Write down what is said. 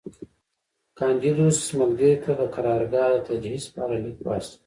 کاندیدوس ملګري ته د قرارګاه د تجهیز په اړه لیک واستاوه